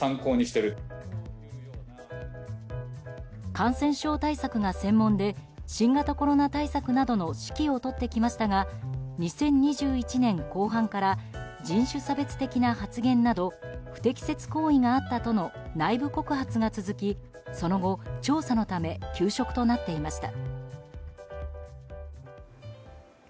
感染症対策が専門で新型コロナ対策などの指揮を執ってきましたが２０２１年後半から人種差別的な発言など不適切行為があったとの内部告発が続きその後、調査のため休職となっていました。